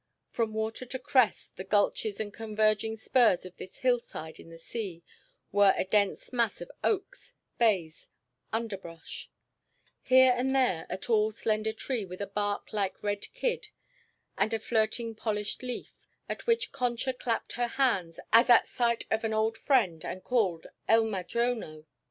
From water to crest the gulches and converging spurs of this hillside in the sea were a dense mass of oaks, bays, underbrush; here and there a tall slender tree with a bark like red kid and a flirting polished leaf, at which Concha clapped her hands as at sight of an old friend and called "El Madrono."